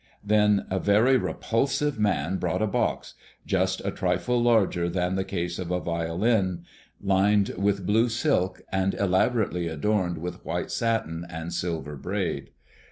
Then a very repulsive man brought a box, just a trifle larger than the case of a violin, lined with blue silk and elaborately adorned with white satin and silver braid.